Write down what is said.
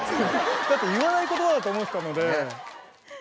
だって言わない言葉だと思ったので。